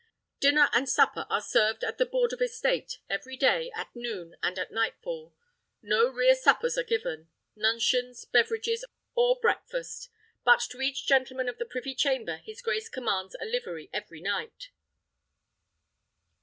Dinner and supper are served at the board of estate, every day, at noon and at nightfall. No rere suppers are given, nunchions, beverages, or breakfast; but to each gentleman of the privy chamber his grace commands a livery every night."